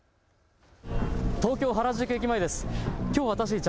東京原宿駅前です。